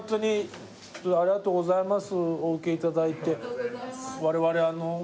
ありがとうございます